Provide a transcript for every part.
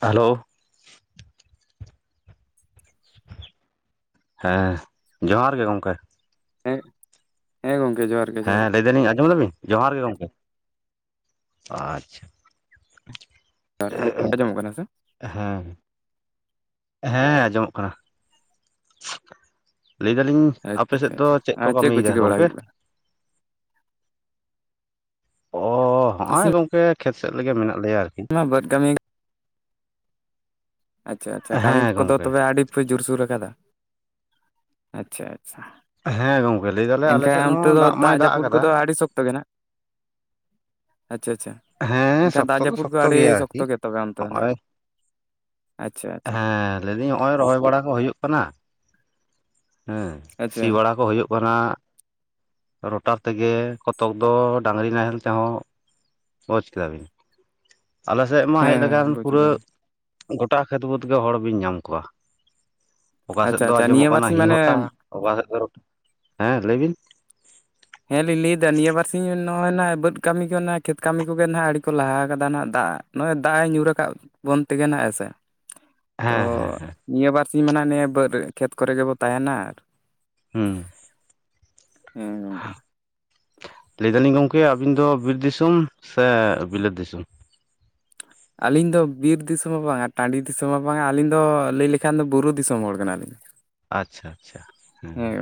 Hello. ᱦᱮᱸ ᱡᱚᱸᱦᱟᱨ ᱜᱮ ᱜᱚᱝᱠᱮ᱾ ᱮᱸ ᱦᱮᱸ ᱜᱚᱝᱠᱮ ᱡᱚᱸᱦᱟᱨ ᱾ ᱦᱮᱸ ᱞᱟᱹᱭ ᱫᱟᱞᱤᱧ ᱟᱸᱡᱚᱢ ᱫᱟᱵᱤᱱ? ᱡᱚᱸᱦᱟᱨ ᱜᱮ ᱜᱚᱝᱠᱮ, ᱟᱪᱪᱷᱟ᱾ ᱡᱚᱦᱟᱨ ᱜᱮ ᱟᱸᱡᱚᱢᱚᱜ ᱠᱟᱱᱟ ᱥᱮ ᱦᱮᱸ᱾ ᱦᱮᱸ ᱟᱸᱡᱚᱢᱚᱜ ᱠᱟᱱᱟ ᱞᱟᱹᱭ ᱫᱟᱞᱤᱧ ᱟᱯᱮ ᱟᱪᱪᱷᱟ ᱥᱮᱫ ᱟᱪᱪᱷᱟ ᱫᱚ ᱟᱪᱪᱷᱟ ᱪᱮᱫ ᱠᱚ ᱟᱨ ᱠᱟᱹᱢᱤᱭᱮᱫᱟ ᱪᱤᱠᱟᱹ ᱵᱟᱲᱟᱭ ᱜᱚᱢᱠᱮ? ᱦᱩᱭᱩᱜ ᱠᱟᱱᱟ ᱚ ᱦᱚᱸᱜᱼᱟᱭ ᱜᱚᱝᱠᱮ ᱠᱷᱮᱛ ᱥᱮᱫ ᱞᱮᱜᱮ ᱢᱮᱱᱟᱜ ᱞᱮᱭᱟ ᱟᱨᱠᱤ᱾ ᱟᱸ ᱵᱟᱸᱰᱽ ᱠᱟᱹᱢᱤ ᱟᱪᱪᱷᱟ ᱟᱪᱪᱷᱟ ᱦᱮᱸ ᱠᱟᱹᱢᱤᱫ ᱠᱚᱫᱚ ᱜᱚᱢᱠᱮ ᱛᱚᱵᱮ ᱟᱹᱰᱤ ᱯᱮ ᱡᱳᱨ ᱥᱳᱨ ᱟᱠᱟᱫᱟ? ᱟᱪᱪᱷᱟ ᱟᱪᱪᱷᱟ᱾ ᱦᱮᱸ ᱜᱚᱝ ᱮᱱᱠᱷᱟᱱ ᱚᱱᱛᱮ ᱫᱚ ᱫᱟᱜ ᱡᱟᱹᱯᱩᱫ ᱠᱚᱫᱚ ᱟᱹᱰᱤ ᱥᱚᱠᱛᱚ ᱜᱮ ᱱᱟᱱᱟᱜ, ᱟᱪᱪᱷᱟ ᱟᱪᱪᱷᱟ᱾ ᱦᱮᱸ ᱮᱱᱠᱷᱟᱡ ᱫᱟᱜ ᱥᱚᱠᱛᱚ ᱫᱚ ᱡᱟᱹᱯᱩᱫ ᱠᱚ ᱥᱚᱠᱛᱚ ᱟᱹᱰᱤ ᱜᱮᱭᱟ ᱟᱨᱠᱤ ᱥᱚᱠᱛᱚ ᱜᱮ ᱛᱚᱵᱮ ᱚᱱᱛᱮ ᱫᱚ ᱱᱟᱦᱟᱜ᱾ ᱦᱚᱸᱜᱼᱚᱭ ᱟᱪᱪᱷᱟ ᱟᱪᱪᱷᱟ᱾ ᱞᱮᱭ ᱫᱤᱧ ᱦᱚᱸᱜᱼᱚᱭ ᱨᱚᱦᱚᱭ ᱵᱟᱲᱟ ᱠᱚ ᱦᱩᱭᱩᱜ ᱠᱟᱱᱟ᱾ ᱦᱮᱸ ᱥᱤ ᱟᱪᱪᱷᱟ ᱵᱟᱲᱟ ᱠᱚ ᱦᱩᱭᱩᱜ ᱠᱟᱱᱟ᱾ ᱨᱚᱴᱟᱨ ᱛᱮᱜᱮ ᱠᱚᱛᱚᱠ ᱫᱚ ᱰᱟᱹᱝᱨᱤ ᱱᱟᱦᱮᱞ ᱛᱮᱦᱚᱸ, ᱵᱩᱡ ᱠᱮᱫᱟᱵᱤᱱ᱾ ᱟᱞᱮ ᱥᱮᱫ ᱢᱟ ᱦᱮᱸ ᱦᱮᱡ ᱦᱮᱸ ᱞᱮᱠᱷᱟᱱ ᱵᱩᱡ ᱯᱩᱨᱟᱹ ᱠᱮᱫᱟᱞᱤᱧ ᱜᱚᱴᱟ ᱠᱷᱮᱛ ᱵᱟᱹᱫᱽ ᱜᱮ ᱦᱚᱲ ᱵᱤᱱ ᱧᱟᱢ ᱠᱚᱣᱟ᱾ ᱚᱠᱟ ᱥᱮᱫ ᱟᱪᱪᱷᱟ ᱫᱚ ᱟᱪᱪᱷᱟ ᱟᱸᱡᱚᱢᱚᱜ ᱱᱤᱭᱟᱹ ᱠᱟᱱᱟ ᱵᱟᱨᱥᱤᱧ ᱦᱤ ᱢᱟᱱᱮ ᱦᱚᱴᱟ ᱚᱠᱟ ᱥᱮᱫ ᱫᱚ [inaudible] ᱦᱮᱸ ᱞᱟᱹᱭ ᱵᱤᱱ᱾ ᱦᱮᱸ ᱞᱤᱧ ᱞᱟᱹᱭ ᱫᱟ ᱱᱤᱭᱟᱹ ᱵᱟᱨ ᱥᱤᱧ ᱱᱚᱜᱼᱚᱭ ᱱᱟᱦᱟᱜ ᱵᱟᱹᱫᱽ ᱠᱟᱹᱢᱤ ᱠᱚ ᱱᱟᱜ ᱠᱷᱮᱛ ᱠᱟᱹᱢᱤ ᱠᱚᱜᱮ ᱱᱟᱦᱟᱜ ᱟᱹᱰᱤ ᱠᱚ ᱞᱟᱦᱟ ᱠᱟᱫᱟ ᱱᱟᱦᱟᱜ ᱫᱟᱜ ᱱᱚᱜᱼᱚᱭ ᱫᱟᱜ ᱮ ᱧᱩᱨᱠᱟᱫ ᱵᱚᱱ ᱛᱮᱜᱮ ᱱᱟᱜ, ᱦᱮᱸ ᱥᱮ? ᱛᱚ ᱦᱮᱸ ᱦᱮᱸ ᱦᱮᱸ ᱱᱤᱭᱟᱹ ᱵᱟᱨ ᱥᱤᱧ ᱢᱟ ᱱᱟᱜ ᱱᱤᱭᱟᱹ ᱵᱟᱹᱫᱽ ᱠᱷᱮᱛ ᱠᱚᱨᱮ ᱜᱮᱵᱚᱱ ᱛᱟᱦᱮᱱᱟ ᱟᱨ ᱦᱩᱸ᱾ ᱦᱮᱸ᱾ ᱜᱚᱝᱠᱮ ᱞᱟᱹᱭᱫᱟᱞᱤᱧ ᱜᱚᱝᱠᱮ ᱟᱹᱵᱤᱱ ᱫᱚ ᱵᱤᱨ ᱫᱤᱥᱚᱢ ᱥᱮ ᱵᱤᱞᱟᱹᱛ ᱫᱤᱥᱚᱢ? ᱟᱹᱞᱤᱧ ᱫᱚ ᱵᱤᱨ ᱫᱤᱥᱚᱢ ᱦᱚᱸ ᱵᱟᱝᱟ ᱴᱟᱺᱰᱤ ᱫᱤᱥᱚᱢ ᱦᱚᱸ ᱵᱟᱝᱟ ᱟᱹᱞᱤᱧ ᱫᱚ ᱞᱟᱹᱭ ᱞᱮᱠᱷᱟᱱ ᱫᱚ ᱵᱩᱨᱩ ᱫᱤᱥᱚᱢ ᱦᱚᱲ ᱠᱟᱱᱟᱞᱤᱧ᱾ ᱟᱪᱪᱷᱟ ᱟᱪᱪᱷᱟ ᱦᱮᱸ ᱦᱮᱸ᱾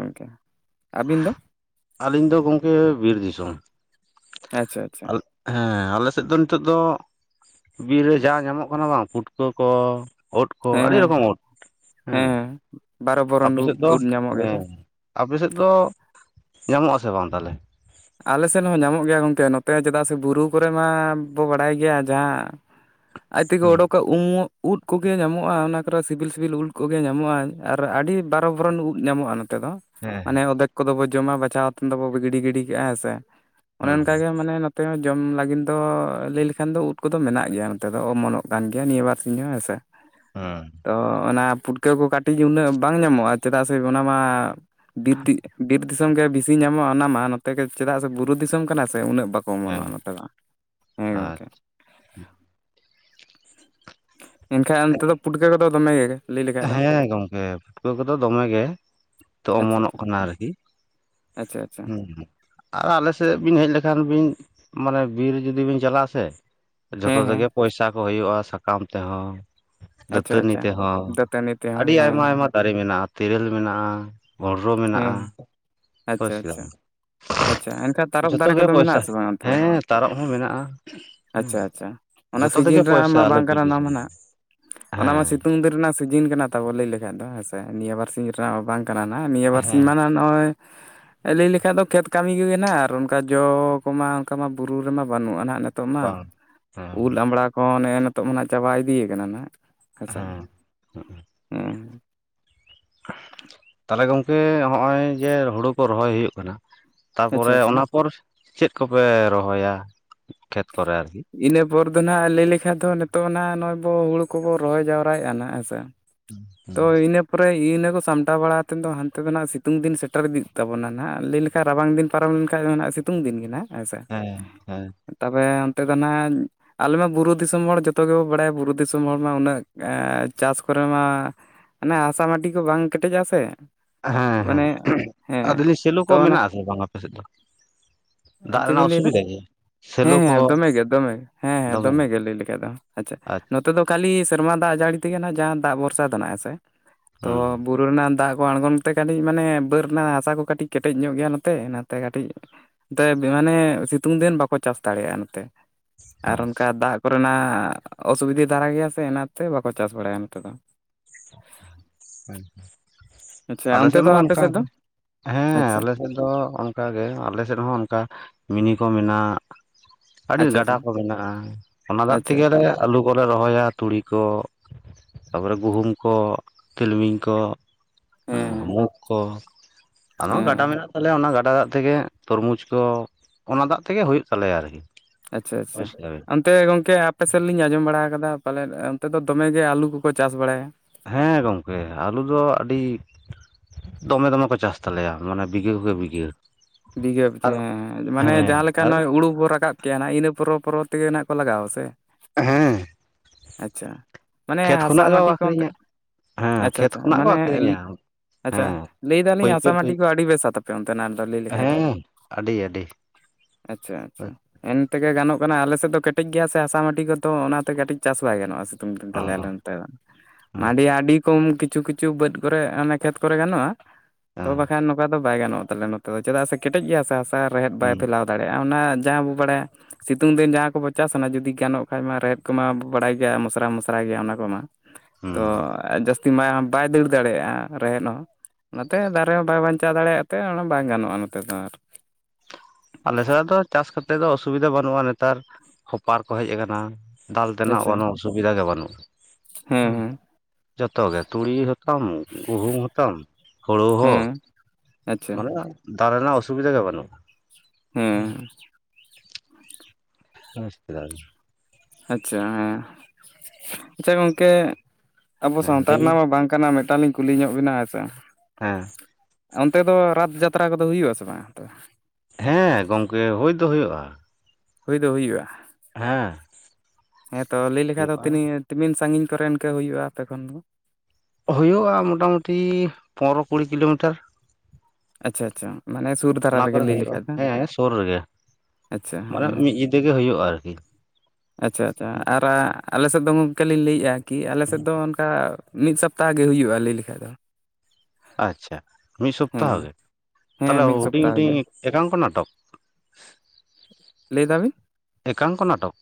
ᱟᱹᱵᱤᱱ ᱫᱚ ᱟᱹᱞᱤᱧ ᱫᱚ ᱜᱚᱝᱠᱮ ᱵᱤᱨ ᱫᱤᱥᱚᱢ, ᱟᱪᱪᱷᱟ ᱟᱪᱪᱷᱟ ᱟᱞ ᱦᱮᱸ ᱟᱞᱮ ᱥᱮᱫ ᱫᱚ ᱱᱤᱛᱚᱜ ᱫᱚ ᱵᱤᱨ ᱨᱮ ᱡᱟ ᱧᱟᱢᱚᱜ ᱠᱟᱱᱟ ᱵᱟᱝ ᱯᱩᱴᱠᱟᱹ ᱠᱚ ᱩᱫ ᱠᱚ ᱦᱮᱸ ᱟᱹᱰᱤ ᱦᱮᱸ ᱨᱚᱠᱚᱢ ᱩᱫ ᱦᱮᱸ᱾ ᱵᱟᱨᱚ ᱵᱚᱨᱚᱱ ᱟᱯᱮ ᱩᱫ ᱥᱮᱫ ᱫᱚ ᱩᱫ ᱧᱟᱢᱚᱜ ᱜᱮᱭᱟ ᱦᱮᱸ, ᱟᱯᱮ ᱥᱮᱫ ᱫᱚ ᱧᱟᱢᱚᱜ-ᱟ ᱥᱮ ᱵᱟᱝ ᱛᱟᱦᱚᱞᱮ? ᱟᱞᱮ ᱥᱮᱫ ᱦᱚᱸ ᱧᱟᱢᱚᱜ ᱜᱮᱭᱟ ᱜᱚᱢᱠᱮ ᱱᱚᱛᱮ ᱪᱮᱫᱟᱜ ᱥᱮ ᱵᱩᱨᱩ ᱠᱚᱨᱮ ᱢᱟ ᱵᱚ ᱵᱟᱲᱟᱭ ᱜᱮᱭᱟ ᱡᱟᱦᱟᱸ [inaudible] ᱟᱡ ᱛᱮᱜᱮ ᱚᱰᱚᱠᱚᱜ ᱩᱢᱩᱜ ᱩᱫ ᱠᱚᱜᱮ ᱧᱟᱢᱚᱜᱼᱟ ᱚᱱᱟ ᱠᱚᱨᱮ ᱥᱤᱵᱤᱞ ᱥᱤᱵᱤᱞ ᱩᱞ ᱠᱚᱜᱮ ᱧᱟᱢᱚᱜᱼᱟ ᱟᱨ ᱟᱹᱰᱤ ᱵᱟᱨᱚ ᱵᱚᱨᱚᱱ ᱩᱫ ᱧᱟᱢᱚᱜᱼᱟ ᱱᱚᱛᱮ ᱫᱚ᱾ ᱦᱮᱸ ᱢᱟᱱᱮ ᱚᱫᱮᱠ ᱠᱚᱫᱚ ᱵᱚᱱ ᱡᱚᱢᱟ ᱵᱟᱪᱷᱟᱣ ᱠᱟᱛᱮᱫ ᱫᱚᱵᱚ ᱜᱤᱰᱤ ᱜᱤᱰᱤ ᱠᱮᱜᱼᱟ ᱦᱮᱸᱥᱮ ᱚᱱᱮ ᱦᱮᱸ ᱚᱱᱠᱟᱜᱮ ᱢᱟᱱᱮ ᱱᱚᱛᱮ ᱦᱚᱸ ᱡᱚᱢ ᱞᱟᱹᱜᱤᱫ ᱫᱚ ᱞᱟᱹᱭ ᱞᱮᱠᱷᱟᱱ ᱫᱚ ᱩᱫ ᱠᱚᱫᱚ ᱢᱮᱱᱟᱜ ᱜᱮᱭᱟ ᱱᱚᱛᱮ ᱫᱚ ᱚᱢᱚᱱᱚᱜ ᱠᱟᱱ ᱜᱮᱭᱟ ᱱᱤᱭᱟᱹ ᱵᱟᱨ ᱥᱤᱧ ᱦᱚᱸ ᱦᱮᱸ ᱥᱮ᱾ ᱦᱩᱸ᱾ ᱛᱚ ᱚᱱᱟ ᱯᱩᱴᱠᱟᱹ ᱠᱚ ᱠᱟᱹᱴᱤᱡ ᱩᱱᱟᱹᱜ ᱵᱟᱝ ᱧᱟᱢᱚᱜ-ᱟ ᱪᱮᱫᱟᱜ ᱥᱮ ᱚᱱᱟ ᱢᱟ [inaudible] ᱵᱤᱨ ᱫᱤᱥᱚᱢ ᱜᱮ ᱵᱮᱥᱤ ᱧᱟᱢᱚᱜ-ᱟ ᱚᱱᱟ ᱢᱟ ᱱᱚᱛ ᱛᱮᱜᱮ ᱪᱮᱫᱟᱜ ᱥᱮ ᱵᱩᱨᱩ ᱫᱤᱥᱚᱢ ᱠᱟᱱᱟ ᱥᱮ ᱩᱱᱟᱹᱜ ᱵᱟᱠᱚ ᱦᱮᱸ ᱚᱢᱚᱱᱚᱜ-ᱟ ᱱᱚᱛᱮ ᱫᱚ ᱦᱮᱸ ᱟᱪᱪᱷᱟ ᱜᱚᱝᱠᱮ᱾ ᱮᱱᱠᱷᱟᱡ ᱚᱱᱛᱮ ᱫᱚ ᱯᱩᱴᱠᱟᱹ ᱠᱚᱫᱚ ᱫᱚᱢᱮ ᱜᱮ᱾ ᱞᱟᱹᱭ ᱞᱮᱠᱷᱟᱡ ᱫᱚ ᱦᱮᱸ ᱜᱚᱝᱠᱮ ᱯᱩᱴᱠᱟᱹ ᱠᱚᱫᱚ ᱫᱚᱢᱮ ᱜᱮ, ᱛᱚ ᱟᱪᱪᱷᱟ ᱚᱢᱚᱱᱚᱜ ᱟᱪᱪᱷᱟ ᱠᱟᱱᱟ ᱟᱹᱨᱠᱤ ᱾ ᱟᱪᱪᱷᱟ ᱟᱪᱪᱷᱟ᱾ ᱟᱨ ᱟᱞᱮ ᱥᱮᱫ ᱵᱤᱱ ᱦᱮᱡ ᱞᱮᱠᱷᱟᱱ ᱵᱤᱱ ᱢᱟᱱᱮ ᱵᱤᱨ ᱡᱩᱫᱤ ᱵᱤᱱ ᱪᱟᱞᱟᱜ-ᱟ ᱥᱮ᱾ ᱦᱮᱸ ᱡᱷᱚᱛᱚ ᱦᱮᱸ ᱛᱮᱜᱮ ᱯᱚᱭᱥᱟ ᱠᱚ ᱦᱩᱭᱩᱜ-ᱟ ᱥᱟᱠᱟᱢ ᱛᱮ ᱦᱚᱸ ᱟᱪᱪᱷᱟ ᱫᱟᱹᱛᱟᱹᱱᱤ ᱟᱪᱪᱷᱟ ᱛᱮᱦᱚᱸ᱾ ᱫᱟᱹᱛᱟᱹᱱᱤ ᱛᱮᱦᱚᱸ ᱟᱹᱰᱤ ᱦᱮᱸ ᱟᱭᱢᱟ ᱦᱮᱸ ᱟᱭᱢᱟ ᱫᱟᱨᱮ ᱢᱮᱱᱟᱜ-ᱟ, ᱛᱮᱤᱨᱞ ᱢᱮᱱᱟᱜ-ᱟ ᱵᱷᱚᱱᱰᱨᱚ ᱢᱮᱱᱟᱜ-ᱟ᱾ ᱦᱮᱸ ᱟᱪᱪᱷᱟ ᱟᱪᱪᱷᱟ᱾ ᱟᱪᱪᱷᱟ ᱮᱱᱠᱷᱟᱱ ᱛᱟᱨᱚᱯ ᱡᱷᱚᱛᱚ ᱫᱟᱨᱮ ᱜᱮ ᱠᱚᱫᱚ ᱢᱮᱱᱟᱜ ᱯᱚᱭᱥᱟ ᱟᱥᱮ ᱵᱟᱝ ᱚᱱᱛᱮ ᱫᱚ, ᱦᱮᱸ ᱛᱟᱨᱚᱵ ᱦᱚᱸ ᱢᱮᱱᱟᱜᱼᱟ ᱦᱮᱸ ᱟᱪᱪᱷᱟ ᱟᱪᱪᱷᱟ᱾ ᱚᱱᱟ ᱡᱚᱛᱚ ᱥᱤᱡᱤᱱ ᱛᱮᱜᱮ ᱨᱮ ᱯᱚᱭᱥᱟ ᱢᱟ ᱟᱞᱮ ᱵᱟᱝ ᱵᱤᱨ ᱠᱟᱱᱟ ᱫᱤᱥᱚᱢ ᱚᱱᱟᱢᱟ ᱫᱚ ᱚᱱᱟᱢᱟ ᱦᱮᱸ ᱥᱤᱛᱩᱝ ᱫᱤᱱ ᱨᱮᱱᱟᱜ ᱥᱤᱡ ᱡᱤᱱ ᱠᱟᱱᱟ ᱛᱟᱵᱚ ᱞᱟᱹᱭ ᱞᱮᱠᱷᱟᱡ ᱫᱚ ᱦᱮᱸᱥᱮ ᱱᱤᱭᱟᱹ ᱵᱟᱨᱥᱤᱧ ᱨᱮᱱᱟᱜ ᱵᱟᱝ ᱠᱟᱱᱟ ᱱᱟᱜ ᱱᱤᱭᱟᱹ ᱵᱟᱨᱥᱤᱧ ᱦᱮᱸ ᱢᱟᱱᱟ ᱦᱳᱭ ᱟᱸᱞᱤᱧ ᱞᱮᱠᱟ ᱫᱚ ᱠᱷᱮᱛ᱾ ᱠᱟᱹᱢᱤ ᱠᱚ ᱜᱮ ᱦᱮᱱᱟᱜ-ᱟ ᱟᱨ ᱚᱱᱠᱟ ᱡᱚ ᱠᱚᱢᱟ ᱚᱱᱠᱟ ᱢᱟ ᱵᱩᱨᱩ ᱨᱮᱢᱟ ᱵᱟᱹᱱᱩᱜ-ᱟ ᱱᱟᱦᱟᱸᱜ ᱱᱟᱦ ᱱᱤᱛᱚᱜ ᱢᱟ ᱵᱟᱝ ᱦᱮᱸ ᱩᱞ ᱟᱢᱲᱟ ᱠᱚ ᱱᱮ ᱮ ᱱᱤᱛᱚᱜ ᱢᱟ ᱱᱟᱦᱟᱸᱜ ᱪᱟᱵᱟ ᱤᱫᱤᱭ ᱠᱟᱱᱟ ᱱᱟᱜ᱾ ᱦᱮᱸ [unintelligible] ᱛᱟᱦᱚᱸᱞᱮ ᱜᱚᱝᱠᱮ ᱦᱚᱸᱜ-ᱚᱭ ᱡᱮ ᱦᱩᱲᱩ ᱠᱚ ᱨᱚᱦᱚᱭ ᱦᱩᱭᱩᱜ ᱠᱟᱱᱟ᱾ ᱟᱪᱪᱷᱟ ᱛᱟᱯᱚᱨᱮ ᱟᱪᱪᱷᱟ ᱚᱱᱟ ᱯᱚᱨ ᱪᱮᱫ ᱠᱚᱯᱮ ᱨᱚᱦᱚᱭᱟ ᱠᱷᱮᱛ ᱠᱚᱨᱮ ᱟᱹᱨᱠᱤ᱾ ᱤᱱᱟᱹ ᱯᱚᱨ ᱫᱚ ᱱᱟᱦᱟᱸᱜ ᱞᱟᱹᱭ ᱞᱮᱠᱷᱟᱡ ᱫᱚ ᱱᱤᱛᱚᱜ ᱚᱱᱟ ᱱᱚᱜ-ᱚᱭ ᱵᱚ ᱦᱩᱲᱩ ᱠᱚᱵᱚ ᱨᱚᱦᱚᱭ ᱡᱟᱣᱨᱟᱭᱮᱫ-ᱟ ᱱᱟᱜ ᱦᱮᱸ ᱥᱮ᱾ ᱦᱮᱸ ᱛᱚ ᱤᱱᱟᱹ ᱯᱚᱨᱮ᱾ ᱤ ᱤᱱᱟᱹ ᱠᱚ ᱥᱟᱢᱴᱟᱣ ᱵᱟᱲᱟ ᱠᱟᱛᱮᱫ ᱫᱚ ᱦᱟᱱᱛᱮ ᱫᱚ ᱱᱟᱜ ᱥᱤᱛᱩᱝ ᱫᱤᱱ ᱥᱮᱴᱮᱨ ᱤᱫᱤᱜ ᱛᱟᱵᱚᱱᱟ ᱱᱟᱜ ᱞᱟᱹᱭ ᱞᱮᱠᱷᱟᱡ ᱨᱟᱵᱟᱝ ᱫᱤᱱ ᱯᱟᱨᱚᱢ ᱞᱮᱱᱠᱟᱱᱡ ᱫᱚ ᱱᱟᱜ ᱥᱤᱛᱩᱝ ᱥᱤᱛᱩᱝ ᱫᱤᱱ ᱠᱟᱱᱟ ᱦᱮᱸ ᱥᱮ ᱛᱚᱵᱮ ᱚᱱᱛᱮ ᱫᱚ ᱱᱟᱜ᱾ ᱟᱞᱮ ᱢᱟ ᱵᱩᱨᱩ ᱫᱤᱥᱚᱢ ᱦᱚᱲ ᱡᱚᱛᱚ ᱜᱮᱵᱚᱱ ᱵᱟᱲᱟᱭᱟ ᱵᱩᱨᱩ ᱫᱤᱥᱚᱢ ᱦᱚᱲ ᱢᱟ ᱩᱱᱟᱹᱜ ᱮ ᱪᱟᱥ ᱠᱚᱨᱮ ᱢᱟ᱾ ᱦᱟᱱᱮ ᱦᱟᱥᱟ ᱢᱟᱴᱤ ᱠᱚ ᱵᱟᱝ ᱠᱮᱴᱮᱡ-ᱟ ᱥᱮ᱾ ᱦᱮᱸ ᱦᱮᱸ ᱢᱟᱱᱮ ᱦᱮᱸ ᱟᱫᱮᱞᱤᱧ ᱥᱮᱞᱚ ᱠᱚ ᱛᱚ ᱚᱱᱟ ᱢᱮᱱᱟᱜ ᱟᱥᱮ ᱵᱟᱝ ᱟᱯᱮᱥᱮᱫ ᱫᱚ᱾ ᱫᱟᱜ ᱪᱮᱫ ᱨᱮᱱᱟᱜ ᱵᱤᱱ ᱞᱟᱹᱭᱫᱟ ᱚᱥᱩᱵᱤᱫᱟ ᱜᱮᱭᱟ᱾ ᱥᱮᱞᱚ ᱦᱮᱸ ᱦᱮᱸ ᱠᱚ ᱫᱚᱢᱮ ᱜᱮ ᱫᱚᱢᱮ ᱦᱮᱸ ᱦᱮᱸ ᱫᱚᱢᱮ ᱫᱚᱢᱮᱜ ᱜᱮ ᱞᱟᱹᱭ ᱞᱮᱠᱷᱟᱡ ᱫᱚ ᱟᱪᱪᱷᱟ᱾ ᱛᱚ ᱫᱚ ᱠᱷᱟᱹᱞᱤ ᱥᱮᱨᱢᱟ ᱫᱟᱜ ᱡᱟᱹᱲᱤ ᱛᱮᱜᱮ ᱱᱟᱜ ᱡᱟᱦᱟᱸ ᱫᱟᱜ ᱵᱷᱚᱨᱥᱟ ᱫᱚ ᱱᱟᱜ ᱦᱮᱸ ᱥᱮ ᱛᱚ ᱦᱩᱸ ᱵᱩᱨᱩ ᱨᱮᱱᱟᱜ ᱫᱟᱜ ᱠᱚ ᱟᱬᱜᱚᱱ ᱛᱮ ᱠᱟᱹᱴᱤᱡ ᱢᱟᱱᱮ ᱵᱟᱹᱫᱽ ᱨᱮᱱᱟᱜ ᱦᱟᱥᱟ ᱠᱚ ᱠᱟᱹᱴᱤᱡ ᱠᱮᱴᱮᱡ ᱧᱚᱜ ᱜᱮᱭᱟ ᱱᱚᱛᱮ ᱚᱱᱟᱛᱮ ᱠᱟᱹᱴᱤᱡ [unintelligible] ᱢᱟᱱᱮ ᱥᱤᱛᱩᱝ ᱫᱤᱱ ᱵᱟᱠᱚ ᱪᱟᱥ ᱫᱟᱲᱮᱭᱟᱜ-ᱟ ᱱᱚᱛᱮ᱾ ᱟᱨ ᱟᱪᱪᱷᱟ ᱚᱱᱠᱟ ᱫᱟᱜ ᱠᱚᱨᱮᱱᱟᱜ ᱚᱥᱩᱵᱤᱫᱷᱟ ᱫᱷᱟᱨᱟ ᱜᱮᱭᱟ ᱥᱮ ᱚᱱᱟᱛᱮ ᱵᱟᱠᱚ ᱪᱟᱥ ᱵᱟᱲᱟᱭᱟ ᱱᱚᱛᱮ ᱫᱚ᱾ [inaudible] ᱟᱪᱪᱷᱟ ᱟᱞᱮ ᱚᱱᱛᱮ ᱥᱮᱫ ᱫᱚ ᱢᱟ ᱟᱯᱮ ᱫᱚ ᱚᱱᱠᱟᱜᱮ ᱦᱮᱸ ᱟᱪᱪᱷᱟ ᱟᱞᱮ᱾ ᱫᱚ ᱚᱱᱠᱟ ᱜᱮ, ᱟᱞᱮ ᱥᱮᱫ ᱦᱚᱸᱢᱤᱱᱤ ᱠᱚ ᱢᱮᱱᱟᱜ᱾ ᱟᱹᱰᱤ ᱟᱪᱪᱷᱟ ᱜᱟᱰᱟ ᱟᱪᱪᱷᱟ ᱠᱚ ᱢᱮᱱᱟᱜ-ᱟ ᱚᱱᱟ ᱫᱟᱜ ᱟᱪᱪᱷᱟ ᱛᱮᱜᱮᱞᱮ᱾ ᱟᱪᱪᱷᱟ ᱟᱹᱞᱩ ᱠᱚᱞᱮ ᱨᱚᱦᱚᱭᱟ, ᱛᱩᱲᱤ ᱠᱚ, ᱛᱟᱯᱚᱨᱮ ᱜᱩᱦᱩᱢ ᱠᱚ᱾ ᱛᱤᱞᱢᱤᱧ ᱠᱚ, ᱦᱮᱸ ᱦᱮᱸ ᱢᱩᱜᱽ ᱠᱚ᱾ ᱟᱫᱚᱸ ᱦᱮᱸ ᱜᱟᱰᱟ ᱢᱮᱱᱟᱜ ᱛᱟᱞᱮᱭᱟ ᱚᱱᱟ ᱜᱟᱰᱟ ᱫᱟᱜ ᱛᱮᱜᱮ ᱛᱚᱨᱢᱩᱡᱽ ᱠᱚ, ᱚᱱᱟ ᱫᱟᱜ ᱛᱮᱜᱮ ᱦᱩᱭᱩᱜ ᱛᱟᱞᱮᱭᱟ ᱟᱹᱨᱠᱤ ᱾ ᱟᱪᱪᱷᱟ ᱟᱪᱪᱷᱟ᱾ ᱚᱱᱛᱮ ᱜᱚᱝᱠᱮ ᱟᱯᱮᱥᱮᱫ ᱞᱤᱧ ᱟᱸᱡᱚᱢ ᱵᱟᱲᱟ ᱟᱠᱟᱫᱟ ᱯᱟᱞᱮᱫ ᱚᱱᱛᱮ ᱫᱚ ᱫᱚᱢᱮ ᱜᱮ ᱟᱞᱩ ᱠᱚᱠᱚ ᱪᱟᱥ ᱵᱟᱲᱟᱭᱟ᱾ ᱦᱮᱸ ᱜᱚᱢᱠᱮ ᱟᱞᱩ ᱫᱚ ᱟᱹᱰᱤ᱾ ᱫᱚᱢᱮ ᱫᱚᱢᱮ ᱠᱚ ᱪᱟᱥ ᱛᱟᱞᱮᱭᱟ, ᱢᱟᱱᱮ ᱵᱤᱜᱷᱟᱹ ᱦᱳᱭ ᱠᱷᱚᱡ ᱵᱤᱜᱷᱟᱹ᱾ ᱵᱤᱜᱷᱟᱹᱯ ᱟᱨ ᱢᱟᱱᱮ ᱦᱮᱸ ᱡᱟᱦᱟᱸ ᱞᱮᱠᱟ ᱟᱨ ᱱᱚᱜ-ᱚᱭ ᱦᱩᱲᱩ ᱵᱚ ᱨᱟᱠᱟᱵᱽ᱾ ᱪᱮᱱᱟᱜ ᱤᱱᱟᱹ ᱯᱚᱨᱚᱵ ᱯᱚᱨᱚᱵ ᱛᱮᱜᱮ ᱱᱟᱜ ᱠᱚ ᱞᱟᱜᱟᱣᱟ ᱥᱮ ᱦᱮᱸ ᱾ ᱟᱪᱪᱷᱟ ᱢᱟᱱᱮ ᱦᱟᱥᱟ ᱠᱷᱚᱱᱟᱜ ᱜᱮᱠᱚ ᱢᱟᱹᱴᱤ ᱠᱚ ᱚᱱᱛᱮ ᱟᱠᱷᱨᱤᱧᱟ ᱦᱮᱸ ᱟᱪᱪᱷᱟ ᱠᱷᱮᱛ ᱟᱪᱪᱷᱟ ᱠᱷᱚᱱᱟᱜ ᱠᱚ ᱢᱟᱱᱮ ᱟᱠᱷᱨᱤᱧᱟ ᱟᱪᱪᱷᱟ ᱦᱮᱸ ᱞᱟᱹᱭᱮ ᱫᱟᱞᱤᱧ ᱦᱟᱥᱟ ᱢᱟᱹᱴᱤ ᱠᱚ ᱟᱹᱰᱤ ᱵᱮᱥᱟ ᱛᱟᱯᱮ ᱚᱱᱛᱮ ᱱᱟᱜ ᱫᱚ ᱞᱟᱹᱭ ᱞᱮᱠᱷᱟᱱ ᱦᱩᱸ ᱟᱹᱰᱤ ᱟᱹᱰᱤ ᱟᱪᱪᱷᱟ ᱟᱪᱪᱷᱟ ᱾ ᱮᱱᱛᱮᱜᱮ ᱜᱟᱱᱚᱜ ᱠᱟᱱᱟ ᱟᱞᱮ ᱥᱮᱫ ᱫᱚ ᱠᱮᱴᱮᱡ ᱜᱮᱭᱟ ᱥᱮ ᱦᱟᱥᱟ ᱢᱟᱹᱴᱤ ᱠᱚᱫᱚ ᱚᱱᱟᱛᱮ ᱠᱟᱹᱴᱤᱡ ᱪᱟᱥ ᱵᱟᱭ ᱜᱟᱱᱚᱜ-ᱟ ᱥᱮ᱾ [inaudible] ᱚ ᱟᱞᱮ ᱱᱚᱱᱛᱮ ᱫᱚ ᱦᱮᱸ ᱟᱹᱰᱤ ᱟᱹᱰᱤ ᱠᱚᱢ ᱠᱤᱪᱷᱩ ᱠᱤᱪᱷᱩ ᱵᱟᱹᱫ ᱠᱚᱨᱮ ᱚᱱᱮ ᱠᱷᱮᱛ ᱠᱚᱨᱮ ᱜᱟᱱᱚᱜ-ᱟ ᱾ ᱛᱚ ᱦᱮᱸ ᱵᱟᱠᱷᱟᱱ ᱱᱚᱝᱠᱟ ᱫᱚ ᱵᱟᱭ ᱜᱟᱱᱚᱜ ᱛᱟᱞᱮᱭᱟ ᱱᱚᱛᱮ ᱫᱚ ᱪᱮᱫᱟᱜ ᱥᱮ ᱠᱮᱴᱮᱡ ᱜᱮᱭᱟ ᱦᱟᱥᱟ ᱦᱟᱥᱟ ᱨᱮᱦᱮᱫ ᱵᱟᱭ ᱦᱩᱸ ᱯᱷᱮᱞᱟᱣ ᱫᱟᱲᱮᱭᱟᱜ-ᱟ ᱚᱱᱟ ᱡᱟᱦᱟᱸ ᱵᱚ ᱵᱟᱲᱟᱭᱟ ᱥᱤᱛᱩᱝ ᱫᱤᱱ ᱡᱟᱦᱟᱸ ᱠᱚᱵᱚ ᱪᱟᱥ ᱟᱱᱟ ᱡᱩᱫᱤ ᱜᱟᱱᱚᱜ ᱠᱷᱟᱱᱡ ᱢᱟ ᱨᱮᱦᱮᱫ ᱠᱚᱢᱟ ᱵᱟᱲᱟᱭ ᱜᱮᱭᱟ ᱢᱚᱥᱨᱟ ᱢᱚᱥᱨᱟᱟᱭ ᱜᱮᱭᱟ ᱚᱱᱟ ᱠᱚᱢᱟ᱾ ᱛᱚ ᱦᱩᱸ ᱡᱟᱥ ᱛᱤ ᱢᱟᱭ ᱵᱟᱭ ᱫᱟᱹᱲ ᱫᱟᱲᱮᱭᱟᱜᱼᱟ ᱨᱮᱦᱮᱫ ᱦᱚᱸ ᱚᱱᱟᱛᱮ ᱫᱟᱨᱮ ᱦᱚᱸ ᱵᱟᱭ ᱵᱟᱧᱪᱟᱣ ᱫᱟᱲᱮᱭᱟᱜ ᱛᱮ ᱚᱱᱟ ᱵᱟᱝ ᱜᱟᱱᱚᱜᱼᱟ᱾ ᱦᱚᱸ-ᱚ ᱱᱚᱛᱮ ᱫᱚ ᱟᱨ ᱟᱞᱮ ᱥᱮᱫ ᱫᱚ ᱪᱟᱥ ᱠᱟᱛᱮᱫ ᱫᱚ ᱚᱥᱩᱵᱤᱫᱷᱟ ᱵᱟᱹᱱᱩᱜᱼᱟ ᱱᱮᱛᱟᱨ ᱦᱚᱯᱟᱨ ᱠᱚ ᱦᱮᱡ ᱟᱠᱟᱱᱟ᱾ ᱫᱟᱞ ᱛᱮᱱᱟᱜ ᱟᱪᱪᱷᱟ ᱠᱳᱱᱳ ᱚᱥᱩᱵᱤᱫᱷᱟ ᱜᱮ ᱵᱟᱹᱱᱩᱜ-ᱟ᱾ ᱦᱮᱸ ᱦᱮᱸ ᱡᱚᱛᱚ ᱜᱮ ᱛᱩᱲᱤ ᱦᱚᱸᱛᱟᱢ ᱜᱩᱦᱩᱢ ᱦᱚᱸᱛᱟᱢ ᱦᱳᱲᱳ ᱦᱚᱸ᱾ ᱦᱮᱸ ᱟᱪᱪᱷᱟ ᱢᱟᱱᱮ ᱫᱟᱞ ᱨᱮᱱᱟᱜ ᱚᱥᱩᱵᱤᱫᱟ ᱜᱮ ᱵᱟᱹᱱᱩᱜ-ᱟ᱾ ᱦᱮᱸ ᱾ [unintelligible] ᱟᱪᱪᱷᱟ ᱦᱮᱸ ᱟᱪᱪᱷᱟ ᱜᱚᱢᱠᱮ ᱟᱵᱚ ᱦᱮᱸ ᱥᱟᱶᱛᱟ ᱞᱟᱹᱭ ᱵᱤᱱ ᱨᱮᱱᱟᱜ ᱢᱟ ᱵᱟᱝ ᱠᱟᱱᱟ ᱢᱤᱫᱴᱟᱝ ᱞᱤᱧ ᱠᱩᱞᱤ ᱧᱚᱜ ᱵᱤᱱᱟ ᱦᱮᱸ ᱥᱮ᱾ ᱦᱮᱸ ᱾ ᱚᱱᱛᱮ ᱫᱚ ᱨᱟᱛ ᱡᱟᱛᱨᱟ ᱠᱚᱫᱚ ᱦᱩᱭᱩᱜ-ᱟ ᱥᱮ ᱵᱟᱝ? ᱦᱮᱸ ᱜᱚᱝᱠᱮ ᱦᱩᱭ ᱫᱚ ᱦᱩᱭᱩᱜ-ᱟ᱾ ᱦᱩᱭ ᱫᱚ ᱦᱩᱭᱩᱜ-ᱟ᱾ ᱦᱮᱸ ᱾ ᱦᱮᱸ ᱛᱚ ᱞᱟᱹᱭ ᱞᱮᱠᱷᱟᱡ ᱫᱚ ᱛᱤᱜ ᱛᱤᱢᱤᱱ ᱥᱟᱹᱜᱤᱧ ᱠᱚᱨᱮ ᱤᱱᱠᱟᱹ ᱦᱩᱭᱩᱜᱼᱟ ᱟᱯᱮ ᱠᱷᱚᱱ ᱫᱚ? ᱦᱩᱭᱩᱜ-ᱟ ᱢᱚᱴᱟᱢᱩᱴᱤ ᱯᱚᱱᱨᱚ ᱠᱩᱲᱤ ᱠᱤᱞᱳᱢᱤᱴᱟᱨ᱾ ᱟᱪᱪᱷᱟ ᱟᱪᱪᱷᱟ ᱢᱟᱱᱮ ᱥᱩᱨ ᱫᱷᱟᱨᱟ ᱚᱱᱟ ᱨᱮᱜᱮ ᱠᱚᱨᱮ ᱞᱟᱹᱭ ᱦᱩᱭᱩᱜ-ᱟ ᱞᱮᱠᱷᱟᱡ ᱫᱚ ᱦᱮᱸ ᱥᱳᱨ ᱨᱮᱜᱮ ᱟᱪᱪᱷᱟ ᱢᱟᱱᱮ ᱦᱮᱸ ᱢᱤᱫ ᱧᱩᱫᱟᱹᱜ ᱜᱮ ᱦᱩᱭᱩᱜ-ᱟ ᱟᱨᱠᱤ᱾ ᱟᱪᱪᱷᱟ ᱟᱪᱪᱷᱟ ᱟᱨ ᱟᱞᱮ ᱥᱮᱫ ᱫᱚ ᱜᱚᱢᱠᱮ ᱞᱤᱧ ᱞᱟᱹᱭᱮᱜ-ᱟ ᱠᱤ ᱟᱞᱮ ᱥᱮᱫ ᱫᱚ ᱚᱱᱠᱟ ᱢᱤᱫ ᱥᱚᱯᱛᱟᱦᱚ ᱜᱮ ᱦᱩᱭᱩᱜ-ᱟ ᱞᱟᱹᱭ ᱞᱮᱠᱷᱟᱡ ᱫᱚ᱾ ᱟᱪᱪᱷᱟ ᱢᱤᱫ ᱥᱚᱯᱛᱟᱦᱚ ᱦᱮᱸ ᱜᱮ ᱛᱟᱦᱚᱞᱮ ᱦᱮᱸ ᱢᱤᱫ ᱦᱩᱰᱤᱧ ᱥᱚᱯᱛᱟᱦᱚ ᱦᱩᱰᱤᱧ ᱦᱩᱭᱩᱜᱼᱟ ᱮᱠᱟᱝᱠᱚ ᱱᱟᱴᱚᱠ ᱞᱟᱹᱭ ᱫᱟᱵᱤᱱ ᱮᱠᱟᱝᱠᱚ ᱱᱟᱴᱚᱠ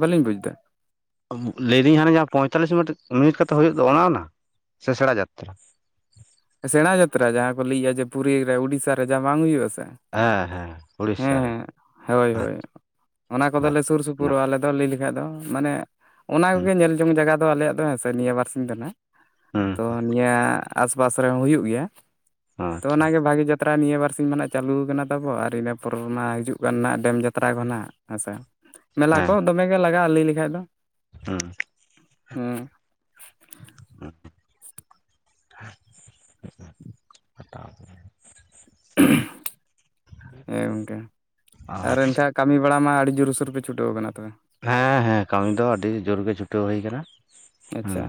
ᱵᱟᱹᱞᱤᱧ ᱵᱩᱡᱽ ᱫᱟ ᱾ ᱞᱟᱹᱭᱫᱤᱧ ᱦᱟᱱᱮ ᱡᱟᱦᱟᱸ ᱯᱚᱸᱭᱛᱟᱞᱤᱥ ᱢᱤᱱᱤᱴ ᱢᱤᱱᱤᱴ ᱠᱟᱛᱮ ᱦᱩᱭᱩᱜ ᱫᱚ ᱚᱱᱟ ᱚᱱᱟ ᱥᱮ ᱥᱮᱬᱟ ᱡᱟᱛᱨᱟ? ᱥᱮᱬᱟ ᱡᱟᱛᱨᱟ ᱡᱟᱦᱟᱸ ᱠᱚ ᱞᱟᱹᱭᱮ-ᱟ ᱡᱮ ᱯᱩᱨᱤ ᱨᱮ ᱩᱲᱤᱥᱟ ᱨᱮ ᱡᱟᱦᱟ ᱵᱟᱝ ᱦᱩᱭᱩᱜ-ᱟ ᱥᱮ᱾ ᱦᱮᱸ ᱦᱮᱸ ᱩᱲᱤᱥᱥᱟ ᱨᱮ ᱦᱮᱸ ᱦᱳᱭ ᱦᱳᱭ ᱚᱱᱟ ᱟᱪᱪᱷᱟ ᱠᱚᱫᱚᱞᱮ ᱥᱩᱨᱥᱩᱯᱩᱨᱚᱜ-ᱟ ᱟᱞᱮ ᱫᱚ ᱞᱟᱹᱭ ᱞᱮᱠᱷᱟᱡ ᱫᱚ ᱢᱟᱱᱮ ᱚᱱᱟ ᱦᱩᱸ ᱠᱚᱜᱮ ᱧᱮᱞ ᱡᱚᱝ ᱡᱟᱭᱜᱟ ᱫᱚ ᱟᱞᱮᱭᱟᱜ ᱫᱚ ᱦᱮᱸ ᱥᱮ ᱱᱤᱭᱟᱹ ᱵᱟᱨᱥᱤᱧ ᱫᱚ ᱱᱟᱦᱟᱸᱜ᱾ ᱦᱩᱸ ᱛᱚ ᱱᱤᱭᱟᱹ ᱟᱥᱵᱟᱥ ᱨᱮᱦᱚᱸ ᱦᱩᱭᱩᱜ ᱜᱮᱭᱟ ᱛᱚ ᱟᱪᱪᱷᱟ ᱚᱱᱟᱜᱮ ᱵᱷᱟᱜᱮ ᱡᱟᱛ ᱡᱟᱛᱨᱟ ᱱᱤᱭᱟᱹ ᱵᱟᱨᱥᱤᱝ ᱠᱷᱚᱱᱟᱜ ᱪᱟᱹᱞᱩ ᱟᱠᱟᱱᱟ ᱛᱟᱵᱚ ᱟᱨ ᱤᱱᱟᱹ ᱯᱚᱨ ᱢᱟ ᱦᱤᱡᱩᱜ ᱠᱟᱱ ᱱᱟᱜ ᱰᱮᱢ ᱡᱟᱛᱨᱟ ᱠᱚ ᱱᱟᱦᱱᱟᱜ ᱦᱮᱸᱥᱮ᱾ ᱢᱮᱞᱟ ᱠᱚ ᱫᱚᱢᱮᱜ ᱜᱮ ᱞᱟᱜᱟᱜ-ᱟ ᱞᱟᱹᱭ ᱞᱮᱠᱷᱟᱡ ᱫᱚ᱾ ᱦᱩ ᱦᱩ [inaudible] ᱦᱮ ᱜᱚᱝᱠᱮ ᱟᱨ ᱟᱪᱪᱷᱟ ᱮᱱᱠᱷᱟᱡ ᱠᱟᱢᱤ ᱵᱟᱲᱟ ᱢᱟ ᱟᱰᱤ ᱡᱩᱨ ᱥᱩᱨ ᱯᱮ ᱪᱷᱩᱴᱟᱹᱣ ᱟᱠᱟᱱᱟ ᱛᱚ ᱦᱮ ᱦᱮ ᱠᱟᱹᱢᱤ ᱫᱚ ᱟᱹᱰᱤ ᱡᱚᱨ ᱜᱮ ᱪᱷᱩᱴᱟᱹᱣ ᱦᱩᱭ ᱟᱠᱟᱱᱟ᱾ ᱦᱩ ᱟᱪᱪᱷᱟ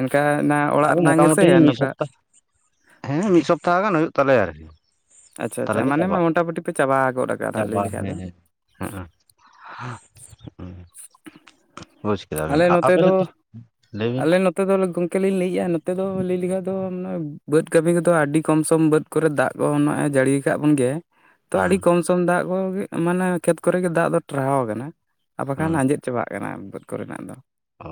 ᱮᱱᱠᱟ ᱚᱱᱟ ᱚᱲᱟᱜ ᱟᱫᱚ ᱨᱮᱱᱟᱜ ᱜᱮᱥᱮ ᱢᱚᱴᱟᱢᱩᱴᱤ ᱢᱤᱫ ᱱᱚᱝᱠᱟ ᱥᱚᱯᱛᱟᱼᱼ ᱦᱮ ᱢᱤᱫ ᱥᱚᱯᱛᱟᱦᱚ ᱜᱟᱱ ᱦᱩᱭᱩᱜ ᱛᱟᱞᱮᱭᱟ ᱟᱨ ᱠᱤ ᱟᱪᱷᱟ ᱟᱪᱷᱟ ᱢᱟᱱᱮ ᱢᱟ ᱢᱚᱴᱟᱢᱩᱴᱤ ᱯᱮ ᱪᱟᱵᱟ ᱜᱚᱫ ᱠᱟᱜᱟ ᱞᱟᱹᱭ ᱪᱟᱵᱟ ᱞᱮᱠᱟᱢ ᱦᱮᱸ ᱫᱚ [unintelligible] ᱦᱩᱸ ᱵᱩᱡᱽ ᱠᱮᱫᱟ ᱵᱤᱱ ᱟᱞᱮ ᱟᱯᱮ ᱱᱚᱛᱮ ᱫᱚ [unintelligible] ᱞᱟᱹᱭ ᱵᱤᱱ ᱟᱞᱮ ᱱᱚᱛᱮ ᱫᱚ ᱜᱚᱝᱠᱮ ᱞᱤᱧ ᱞᱟᱹᱭᱜᱼᱟ ᱱᱚᱛᱮ ᱫᱚ ᱞᱟᱹᱭ ᱞᱮᱠᱷᱟᱡ ᱫᱚ ᱢᱟᱱᱮ ᱵᱟᱹᱫᱽ ᱠᱟᱹᱢᱤ ᱠᱚᱫᱚ ᱟᱹᱰᱤ ᱠᱚᱢ ᱥᱚᱢ ᱵᱟᱹᱫᱽ ᱠᱚᱨᱮ ᱫᱟᱜ ᱠᱚ ᱱᱚᱜᱼᱮᱭ ᱡᱟᱹᱲᱤᱭ ᱠᱟᱜ ᱵᱚᱱ ᱜᱮᱭ ᱛᱚ ᱦᱩᱸ ᱟᱰᱤ ᱠᱚᱢ ᱥᱚᱢ ᱫᱟᱜ ᱠᱚᱜᱮ ᱢᱟᱱᱮ ᱠᱷᱮᱛ ᱠᱚᱨᱮ ᱜᱮ ᱫᱟᱜ ᱫᱚ ᱴᱟᱨᱦᱟᱣ ᱟᱠᱟᱱᱟ ᱟᱨ ᱵᱟᱠᱷᱟᱱ ᱦᱩᱸ ᱟᱸᱡᱮᱫ ᱪᱟᱵᱟᱜ ᱠᱟᱱᱟ ᱵᱟᱹᱫᱽ ᱠᱚᱨᱮ ᱱᱟᱜ ᱫᱚ ᱚ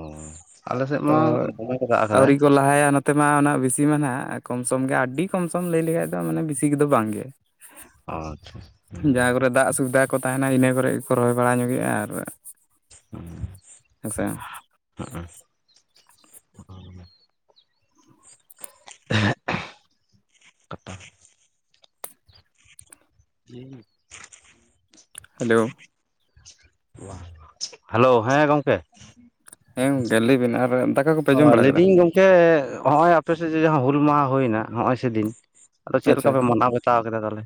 ᱟᱞᱮ ᱥᱮᱫ ᱛᱚ ᱢᱟ ᱫᱚᱢᱮ ᱜᱮ ᱫᱟᱜ ᱟᱠᱟᱫᱟᱭ ᱟᱹᱣᱨᱤ ᱠᱚ ᱞᱟᱦᱟᱭᱟ [unintelligible] ᱛᱮᱢᱟ ᱚᱱᱟ ᱵᱤᱥᱤ ᱢᱟᱱᱟᱜ ᱠᱚᱢ ᱥᱚᱢ ᱜᱮ ᱟᱰᱤ ᱠᱚᱢ ᱥᱚᱢ ᱞᱟᱹᱭ ᱞᱮᱠᱷᱷᱟᱡ ᱫᱚ ᱢᱟᱱᱮ ᱵᱤᱥᱤ ᱠᱚᱫᱚ ᱵᱟᱝ ᱜᱮ ᱚ ᱟᱪᱷᱟ ᱦᱩ ᱠᱚᱨᱮ ᱫᱟᱜ ᱥᱩᱵᱫᱷᱟ ᱠᱚ ᱛᱟᱦᱮᱱᱟ ᱤᱱᱟᱹ ᱠᱚᱨᱮ ᱜᱮᱠᱚ ᱨᱚᱦᱚᱭ ᱵᱟᱲᱟ ᱧᱚᱜᱮᱫᱼᱟ ᱟᱨ ᱦᱮᱸᱥᱮ [unintelligible] [inaudible] ᱦᱮᱞᱚ ᱦᱮᱞᱚ ᱦᱮ ᱜᱚᱝᱠᱮ ᱦᱮ ᱜᱚᱝᱠᱮ ᱞᱟᱹᱭ ᱵᱤᱱ ᱟᱨ ᱫᱟᱠ ᱞᱮᱭᱫᱮᱧ ᱜᱚᱝᱠᱮ ᱦᱚᱜᱚᱭ ᱟᱯᱮ ᱥᱮᱫ ᱡᱟᱦᱟᱸ ᱦᱩᱞ ᱢᱟᱦᱟ ᱦᱳᱭᱱᱟ ᱦᱚᱜᱼᱚᱭ ᱥᱮᱫᱤᱱ ᱟᱫᱚ ᱪᱮᱫ ᱟᱪᱪᱷᱟ ᱞᱮᱠᱟ ᱯᱮ ᱢᱟᱱᱟᱣ ᱵᱟᱛᱟᱣ ᱠᱮᱫᱟ ᱛᱟᱦᱚᱞᱮ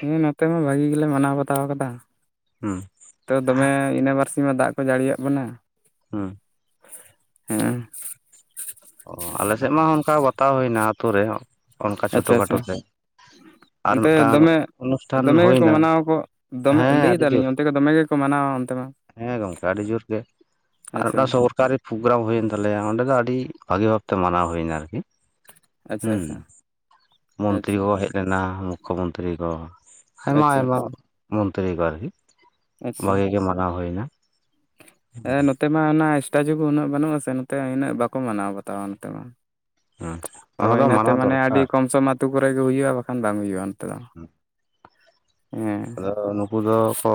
ᱦᱩ ᱱᱚᱛᱮ ᱢᱟ ᱵᱷᱟᱹᱜᱤ ᱜᱮᱞᱮ ᱢᱟᱱᱟᱣ ᱵᱟᱛᱟᱣ ᱟᱠᱟᱫᱟ ᱦᱩ ᱛᱚ ᱫᱚᱢᱮ ᱤᱱᱟᱹ ᱵᱟᱨᱥᱤᱧ ᱢᱟ ᱫᱟᱜ ᱠᱚ ᱡᱟᱲᱤᱭᱟᱜ ᱵᱚᱱᱟ ᱦᱩ ᱦᱮ ᱚ ᱟᱞᱮ ᱥᱮᱜ ᱢᱟ ᱚᱱᱠᱟ ᱵᱟᱛᱟᱣ ᱦᱩᱭᱱᱟ ᱟᱛᱩ ᱨᱮ ᱚᱱᱠᱟ ᱪᱷᱳᱴᱳ ᱟᱪᱪᱷᱟ ᱠᱷᱟᱴᱳ ᱟᱪᱪᱷᱟ ᱛᱮ, ᱟᱨ ᱚᱱᱛᱮ ᱢᱤᱫᱴᱟᱝ ᱫᱚᱢᱮ ᱚᱱᱩᱥᱴᱷᱟᱱ ᱫᱚᱢᱮ ᱜᱮᱠᱚ ᱦᱩᱭᱱᱟ ᱢᱟᱱᱟᱣᱟᱠᱚ ᱫᱚᱢᱮ ᱦᱮᱸ ᱞᱟᱹᱭ ᱟᱹᱰᱤ ᱫᱟᱞᱤᱧ ᱡᱳᱨ ᱚᱱᱛᱮ ᱫᱚ ᱫᱚᱢᱮ ᱜᱮ, ᱠᱚ ᱢᱟᱱᱟᱣᱟ ᱚᱱᱛᱮ ᱢᱟ ᱦᱮᱸ ᱜᱚᱝᱠᱮ ᱟᱹᱰᱤ ᱡᱳᱨ ᱜᱮ ᱟᱨ ᱟᱪᱪᱷᱟ ᱚᱱᱟ ᱥᱚᱨᱠᱟᱨᱤ ᱯᱨᱳᱜᱨᱟᱢ ᱦᱩᱭᱮᱱ ᱛᱟᱞᱮᱭᱟ ᱚᱸᱰᱮ ᱫᱚ ᱟᱹᱰᱤ ᱵᱷᱟᱜᱤ ᱵᱷᱟᱵ ᱛᱮ ᱢᱟᱱᱟᱣ ᱦᱩᱭᱱᱟ ᱟᱨᱠᱤ, ᱟᱪᱷᱟ ᱦᱩᱸ ᱟᱪᱷᱟ ᱢᱚᱱᱛᱨᱤ ᱠᱚ ᱦᱮᱡ ᱞᱮᱱᱟ ᱢᱩᱠᱷ ᱢᱚᱱᱛᱨᱤ ᱠᱚ ᱟᱭᱢᱟ ᱟᱪᱪᱷᱟ ᱟᱭᱢᱟ, ᱟᱪᱪᱷᱟ ᱢᱚᱱᱛᱨᱤ ᱠᱚ ᱟᱨᱠᱤ ᱟᱪᱪᱷᱟ ᱵᱷᱟᱜᱤ ᱜᱮ ᱢᱟᱱᱟᱣ ᱦᱩᱭᱱᱟ, ᱦᱮᱸ ᱱᱚᱛᱮ ᱢᱟ ᱚᱱᱟ ᱮᱥᱴᱟᱪᱩ ᱠᱚ ᱩᱱᱟᱹᱜ ᱵᱟᱹᱱᱩᱜ ᱟᱥᱮ ᱱᱚᱛᱮ ᱤᱱᱟᱹᱜ ᱵᱟᱠᱚ ᱢᱟᱱᱟᱣ ᱵᱟᱛᱟᱣᱟ ᱱᱚᱛᱮ ᱢᱟ, ᱟᱪᱪᱷᱟ ᱛᱚ ᱚᱱᱟ ᱫᱚ ᱤᱱᱟᱹᱛᱮ ᱢᱟᱱᱟᱣ ᱢᱟᱱᱮ ᱟᱰᱤ ᱫᱚᱨᱠᱟᱨ ᱠᱚᱢ ᱥᱚᱢ ᱚᱛᱩ ᱠᱚᱨᱮ ᱜᱮ ᱦᱩᱭᱩᱜᱼᱟ ᱵᱟᱠᱷᱟᱱ ᱵᱟᱝ ᱦᱩᱭᱩᱜᱼᱟ, ᱫᱚ ᱦᱮᱸ ᱟᱫᱚ ᱱᱩᱠᱩ ᱫᱚ ᱠᱚ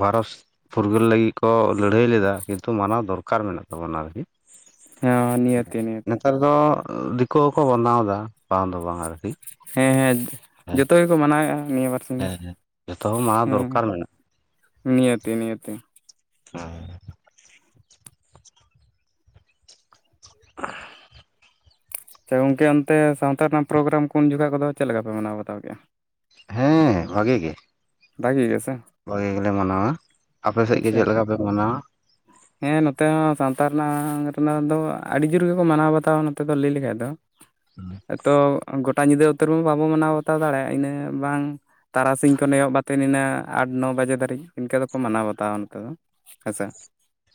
ᱵᱷᱟᱨᱚᱥ, ᱯᱷᱩᱨᱜᱟᱹᱞ ᱞᱟᱹᱜᱤᱫ ᱠᱚ ᱞᱟᱹᱲᱦᱟᱹᱭ ᱞᱮᱫᱟ ᱠᱤᱱᱛᱩ ᱢᱟᱱᱟᱣ ᱫᱚᱨᱠᱟᱨ ᱢᱮᱱᱟᱜ ᱛᱟᱵᱚ ᱱᱟ ᱟᱨᱠᱤ, ᱦᱮᱸ ᱱᱤᱭᱟᱹᱛᱤ ᱱᱤᱭᱟᱹᱛᱤ ᱱᱮᱛᱟᱨ ᱫᱚ ᱫᱤᱠᱩ ᱦᱚᱸᱠᱚ ᱵᱱᱟᱣ ᱫᱟ ᱵᱟᱝ ᱫᱚ ᱵᱟᱝ ᱟᱨᱠᱤ, ᱦᱮᱸ ᱦᱮᱸ, ᱦᱮᱸ ᱡᱚᱛᱚ ᱜᱮᱠᱚ ᱢᱟᱱᱟᱣᱮᱜ-ᱟ ᱱᱤᱭᱟᱹ ᱵᱟᱨ ᱦᱮᱸ ᱦᱮᱸ, ᱡᱚᱛᱚ ᱢᱟᱱᱟᱣ ᱫᱚᱨᱠᱟᱨ ᱢᱮᱱᱟᱜ ᱱᱤᱦᱟᱹᱛᱤ ᱱᱤᱦᱟᱹᱛᱤ᱾ [inaudible] [inaudible] ᱟᱪᱪᱷᱟ ᱜᱚᱝᱠᱮ ᱚᱱᱛᱮ ᱥᱟᱶᱛᱟ ᱨᱮᱱᱟᱜ ᱯᱨᱳᱜᱨᱟᱢ ᱠᱚ ᱩᱱ ᱡᱚᱠᱷᱟ ᱠᱚᱫᱚ ᱪᱮᱫ ᱞᱮᱠᱟ ᱯᱮ ᱢᱟᱱᱟᱣ ᱵᱟᱛᱟᱣ ᱠᱮᱜᱼᱟ? ᱦᱮᱸ ᱵᱷᱟᱜᱤ ᱜᱮ᱾ ᱵᱷᱟᱹᱜᱤ ᱜᱮ ᱥᱮ᱾ ᱵᱷᱟᱹᱜᱤ ᱜᱮᱞᱮ ᱢᱟᱱᱟᱣᱟ᱾ ᱟᱯᱮ ᱥᱮᱫ ᱜᱮ ᱟᱪᱪᱷᱟ ᱪᱮᱫ ᱞᱮᱠᱟ ᱯᱮ ᱢᱟᱱᱟᱣᱟ? ᱦᱮᱸ ᱱᱚᱛᱮ ᱦᱚᱸ ᱥᱟᱶᱛᱟ ᱨᱮᱱᱟᱜ ᱨᱮᱱᱟᱜ ᱫᱚ ᱟᱹᱰᱤ ᱡᱳᱨ ᱜᱮᱠᱚ ᱢᱟᱱᱟᱣ ᱵᱟᱛᱟᱣᱟ ᱱᱚᱛᱮ ᱫᱚ ᱞᱟᱹᱭ ᱞᱮᱠᱷᱟᱡ ᱫᱚ᱾ ᱮᱛᱚ ᱜᱚᱴ ᱴᱟ ᱧᱤᱫᱟᱹ ᱩᱛᱟᱹᱨ ᱢᱟ ᱵᱟᱵᱚ ᱢᱟᱱᱟᱣ ᱵᱟᱛᱟᱣ ᱫᱟᱲᱮᱭᱟᱜᱼᱟ ᱤᱱᱟᱹ ᱵᱟᱝ ᱛᱟᱨᱟᱥᱤᱧ ᱠᱚᱱ ᱮᱦᱚᱵ ᱛᱮ ᱱᱤᱱᱟᱹᱜ ᱟᱴ ᱱᱚ ᱵᱟᱡᱮ ᱫᱷᱟᱹᱨᱤᱡ ᱤᱱᱠᱟᱹ ᱫᱚᱠᱚ ᱢᱟᱱᱟᱣ ᱵᱟᱛᱟᱣᱟ ᱱᱚᱱᱛᱮ ᱫᱚ ᱦᱮᱸᱥᱮ᱾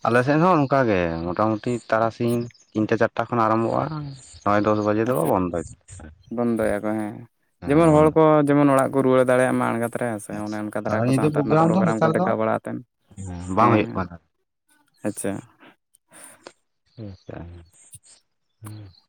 ᱟᱞᱮ ᱥᱮᱱ ᱦᱚᱸ ᱚᱱᱠᱟᱜ ᱜᱮ ᱢᱚᱴᱟ ᱢᱩᱴᱤ ᱛᱟᱨᱟᱥᱤᱧ ᱛᱤᱱᱴᱟ ᱪᱟᱴᱟ ᱠᱷᱚᱱ ᱟᱨᱟᱢᱵᱷᱚᱜᱼᱟ, ᱱᱚᱭ ᱫᱚᱥ ᱵᱟ ᱟᱪᱪᱷᱟ, ᱵᱚᱱᱫᱚᱭᱟᱠᱚ ᱦᱮᱸ᱾ ᱦᱮᱸ ᱡᱮᱢᱚᱱ ᱦᱚᱲ ᱵᱚᱱᱫᱚ ᱠᱚ ᱡᱮᱢᱚᱱ ᱚᱲᱟᱜ ᱠᱚ ᱨᱩᱣᱟᱹᱲ ᱫᱟᱲᱮᱭᱟᱜᱼᱟ [unintelligible] ᱛᱮ ᱚᱱᱮ ᱚᱱᱠᱟ ᱥᱟᱨᱟ ᱫᱷᱟᱨᱟ ᱠᱚ ᱧᱤᱫᱟᱹ ᱥᱟᱶᱛᱟ ᱨᱮᱱᱟᱜ ᱫᱚ ᱯᱨᱳᱜᱨᱟᱢ ᱠᱚ ᱱᱮᱛᱟᱨ ᱫᱚ ᱫᱮᱠᱷᱟᱣ ᱵᱟᱲᱟ ᱟᱛᱮᱱ ᱵᱟᱝ ᱦᱮᱸ ᱦᱩᱭᱩᱜ ᱦᱮᱸ᱾ ᱠᱟᱱᱟ ᱟᱪᱪᱷᱟ᱾ [inaudible]